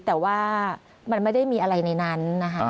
แต่ว่ามันไม่ได้มีอะไรในนั้นนะคะ